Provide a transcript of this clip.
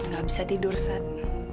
gak bisa tidur sat